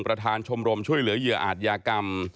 ประธานชมรมช่วยเหลือเหยื่ออาจยากรรม